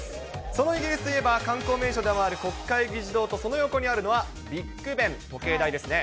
そのイギリスといえば、観光名所でもある国会議事堂とその横にあるのはビッグベン、時計台ですね。